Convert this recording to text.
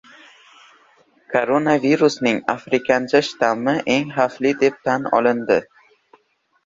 Koronavirusning “afrikancha” shtammi eng xavfli deb tan olindi